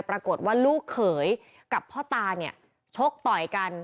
ปรากฏว่าลูกเขยกับพ่อตาเนี่ยชกต่อยกัน